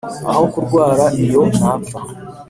aho kurwara iyo napfa